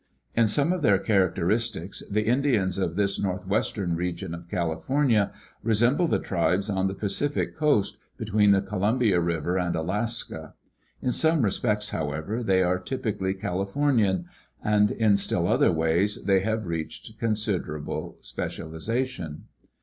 In some of their characteristics the Indians of this northwestern region of California resemble the tribes on the Pacific coast between the Columbia river and Alaska; in some respects, however, they are typically Calif ornian; and in still other ways they have reached considerable specialization.